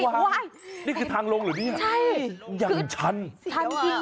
นี่คือทางลงหรือเปลี่ยนค่ะอย่างฉันใช่ฉันจริงค่ะ